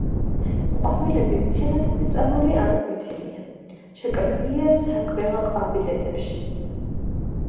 ყვავილები ფერად მეწამული ან ყვითელია, შეკრებილია საგველა ყვავილედებში.